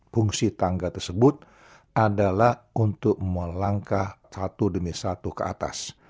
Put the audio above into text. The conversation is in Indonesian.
fungsi tangga tersebut adalah untuk mau langkah satu demi satu ke atas